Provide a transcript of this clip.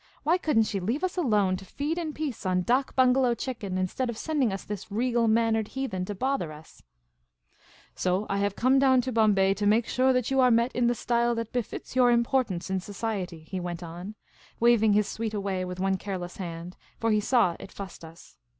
Why could n't she leave us alone, to feed in peace on dak bungalow chicken, instead of sending this regal mannered heathen to bother ps ?" So I have come dow^n to Bombay to make sure that you are met in the style that befits your importance in society," he went on, waving his suite away with one careless hand, for he saw it fussed us.